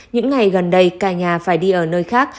những ngày gần đây cả nhà phải đi ở nơi khác